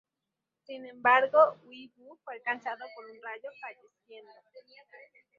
Sin embargo, Hui Buh fue alcanzado por un rayo, falleciendo.